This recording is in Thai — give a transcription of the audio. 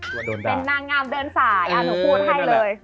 เป็นนางงามเดินสายหนูพูดให้เลย